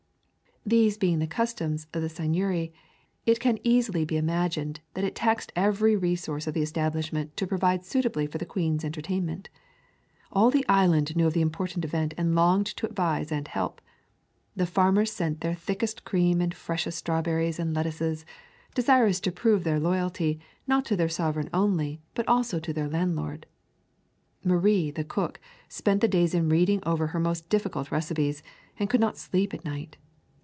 These being the customs of the Seigneurie, it can easily be imagined that it taxed every resource of the establishment to provide suitably for the Queen's entertainment. All the island knew of the important event and longed to advise and help. The farmers sent their thickest cream and freshest strawberries and lettuces, desirous to prove their loyalty not to their sovereign only, but also to their landlord. Marie, the cook, spent the days in reading over her most difficult recipes, and could not sleep at night.